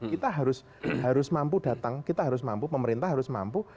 kita harus mampu datang kita harus mampu pemerintah harus mampu